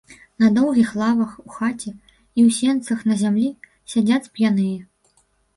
На доўгіх лавах у хаце і ў сенцах на зямлі сядзяць п'яныя.